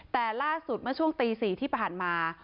แต่ล่าสุดเมื่อช่วงตี๔ที่ผ่านมา